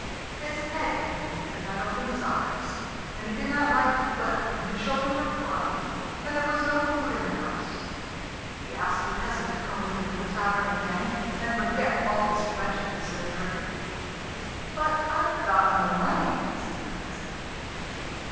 His head ached and he could not open his eyes, and he did not like the weather, and the children were crying, and there was no food in the house. He asked the peasant to come with him to the tavern again and forget all this wretchedness in a drink. "But I've got no money," says the peasant.